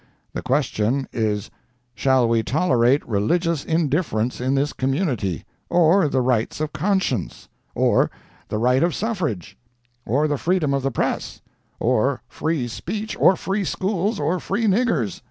The question is, shall we tolerate religious indifference in this community; or the rights of conscience; or the right of suffrage; or the freedom of the press; or free speech, or free schools, or free niggers.